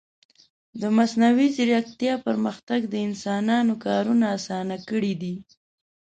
د مصنوعي ځیرکتیا پرمختګ د انسانانو کارونه آسانه کړي دي.